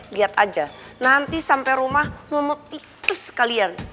lihat aja nanti sampai rumah mama pites sekalian